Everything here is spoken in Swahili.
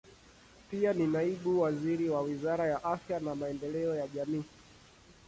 Pia ni naibu waziri wa Wizara ya Afya na Maendeleo ya Jamii.